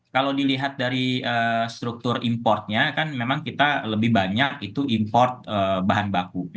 kalau dilihat dari struktur importnya kan memang kita lebih banyak itu import bahan baku